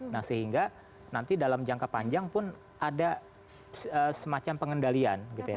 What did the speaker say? nah sehingga nanti dalam jangka panjang pun ada semacam pengendalian gitu ya